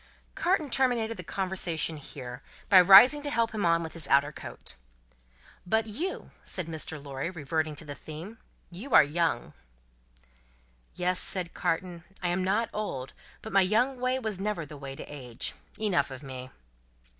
Carton terminated the conversation here, by rising to help him on with his outer coat; "But you," said Mr. Lorry, reverting to the theme, "you are young." "Yes," said Carton. "I am not old, but my young way was never the way to age. Enough of me."